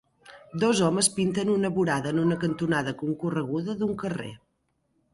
Dos homes pinten una vorada en una cantonada concorreguda d'un carrer.